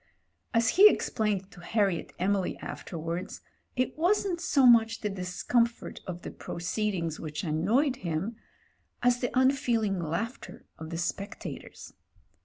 As he explained to Harriet Emily afterwards, it wasn't so much the discomfort of the proceeding which annoyed him, as the unfeeling laughter of the spectators.